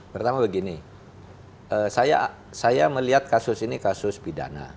pertama begini saya melihat kasus ini kasus pidana